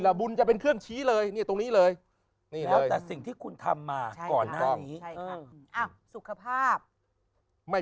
ละบุญจะเป็นเครื่องชี้เลยตรงนี้เลยสิ่งที่คุณทำมาสุขภาพไม่